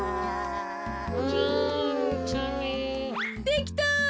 できた。